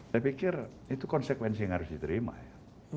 saya pikir itu konsekuensi yang harus diterima ya